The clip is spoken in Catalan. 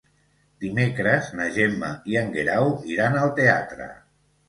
Dimecres na Gemma i en Guerau iran al teatre.